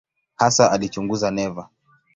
Hasa alichunguza neva.